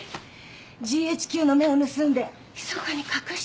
ＧＨＱの目を盗んでひそかに隠してたのよ。